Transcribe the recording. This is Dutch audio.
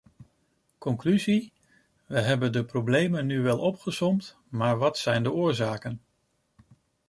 Conclusie: we hebben de problemen nu wel opgesomd, maar wat zijn de oorzaken?